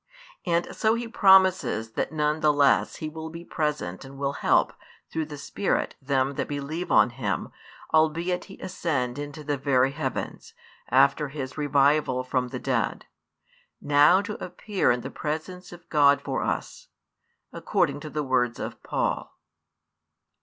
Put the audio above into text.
And so He promises that none the less He will be present and will help through the Spirit them that believe on Him, albeit He ascend into the very heavens, after His Revival from the dead, now to appear in the presence of God for us, according to the words of Paul.